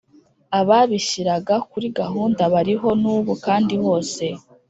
Ababishyiraga kuri gahunda Bariho n’ubu kandi hose